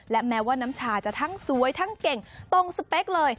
และแม้ว่าน้ำชาจะทั้งสวยทั้งเก่งตรงสเปคเลย